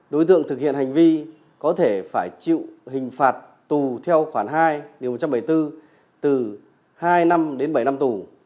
đối tượng thực hiện hành vi có thể phải chịu hình phạt tù theo khoản hai điều một trăm bảy mươi bốn từ hai năm đến bảy năm tù